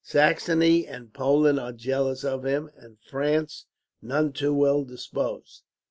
Saxony and Poland are jealous of him, and France none too well disposed.